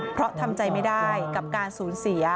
เพราะทำใจไม่ได้กับการสูญเสีย